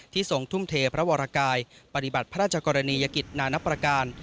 ทรงทุ่มเทพระวรกายปฏิบัติพระราชกรณียกิจนานับประการ